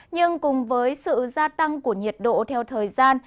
nhưng cùng với sự gia tăng của nhiệt độ theo thời gian